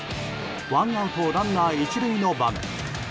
ワンアウトランナー１塁の場面。